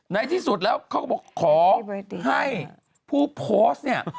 ในที่สุดแล้วเขาก็บอกขอให้ผู้โพสต์เนี่ย